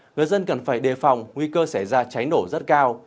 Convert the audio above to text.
người dân cần phải đề phòng nguy cơ xảy ra cháy nổ rất cao